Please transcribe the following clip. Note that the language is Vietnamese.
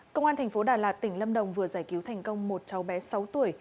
công an tp đà lạt tỉnh lâm đồng vừa giải cứu thành công một cháu bé sáu tuổi